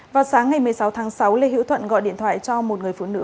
vào sáng ngày một mươi sáu tháng sáu lê hữu thuận gọi điện thoại cho một người phụ nữ